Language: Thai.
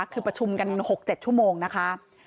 คือประชุมกัน๖๗ชั่วโมงนะคะ